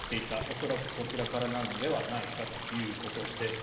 恐らくそちらからなのではないかということです。